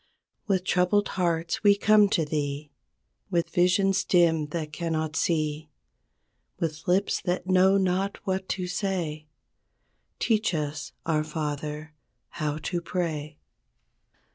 With troubled hearts we come to Thee With visions dim that cannot see. With lips that know not what to say; Teach us, our Father, how to pray.